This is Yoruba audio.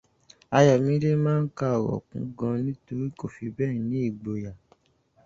Ayọ̀mídé máa ń ka ọ̀rọ̀ kún gan nítorí kò fi bẹ́ẹ̀ ní ìgboyà.